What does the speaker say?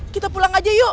kita pulang aja yuk